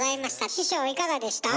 師匠いかがでした？